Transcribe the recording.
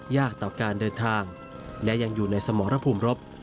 ยากเต่าการเดินทางและยังอยู่ในสมรพรมรพ